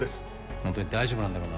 ほんとに大丈夫なんだろうな？